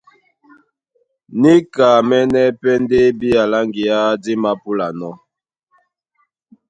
Níkamɛ́nɛ́ pɛ́ ndé bía lá ŋgeá dí māpúlanɔ́.